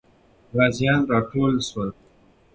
غازیان راټول سول.